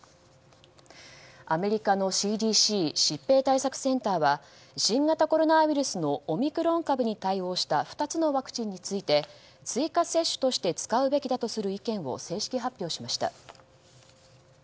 アメリカのＣＤＣ・疾病対策センターは新型コロナウイルスのオミクロン株に対応した２つのワクチンについて追加接種として使うべきだとする意見を正式発表しました。